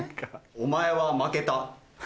お前は負けた。